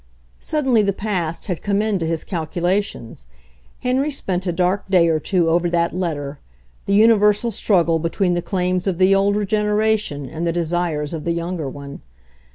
Suddenly the past had come into his calcula tions. Henry spent a dark day or two over that letter — the universal struggle between the claims of the older generation and the desires of the younger one.